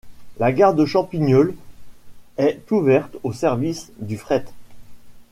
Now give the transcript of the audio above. La gare de Champigneulles est ouverte au service du fret.